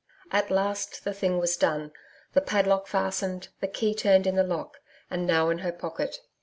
At last the thing was done the padlock fastened, the key turned in the lock, and now in her pocket.